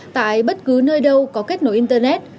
tại bất cứ nơi đâu có kết nối internet